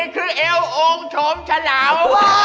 ๒๔คือเอวโอ้งโฉมฉลาว